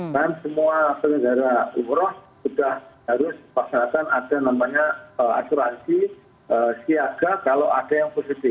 dan semua penegara umroh sudah harus paksakan ada namanya asuransi siaga kalau ada yang positif